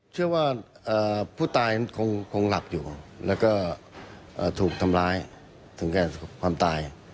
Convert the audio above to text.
เชื่อว่าเอ่อผู้ตายคงคงหลับอยู่แล้วก็เอ่อถูกทำร้ายถึงแก้ความตาย